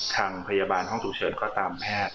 ทางพยาบาลห้องฉุกเฉินก็ตามแพทย์